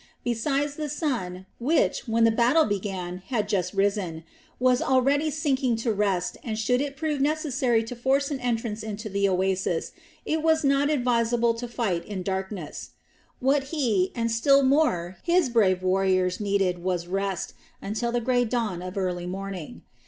Besides the sun, which when the battle began had just risen, was already sinking to rest and should it prove necessary to force an entrance into the oasis it was not advisable to fight in darkness. What he and still more his brave warriors needed was rest until the grey dawn of early morning.